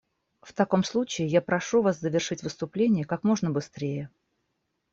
В таком случае я прошу Вас завершить выступление как можно быстрее.